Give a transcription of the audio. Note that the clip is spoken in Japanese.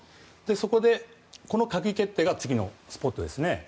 そこで、この閣議決定が次のスポットですね。